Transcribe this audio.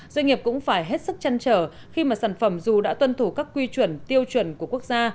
doanh nghiệp cũng phải hết sức chăn trở khi mà sản phẩm dù đã tuân thủ các quy chuẩn tiêu chuẩn của quốc gia